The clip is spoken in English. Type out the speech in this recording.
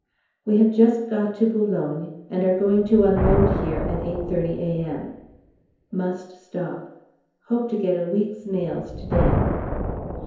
We have just got to B., and are going to unload here at 8.30 A.M. Must stop. Hope to get a week's mails to day.